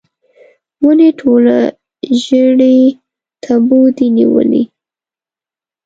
ونې ټوله ژړۍ تبو دي نیولې